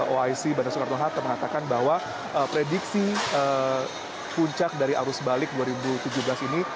wic bandara soekarno hatta mengatakan bahwa prediksi puncak dari arus balik dua ribu tujuh belas ini